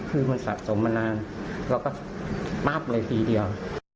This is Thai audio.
คือมันสะสมมานานเราก็ปั๊บเลยปีเดียว